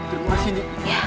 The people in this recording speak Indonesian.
jangan kasih nih